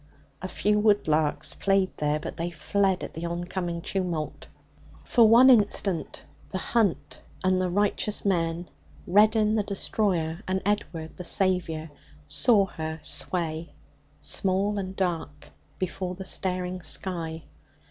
A few woodlarks played there, but they fled at the oncoming tumult. For one instant the hunt and the righteous men, Reddin the destroyer, and Edward the saviour, saw her sway, small and dark, before the staring sky.